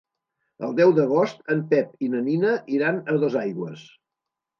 El deu d'agost en Pep i na Nina iran a Dosaigües.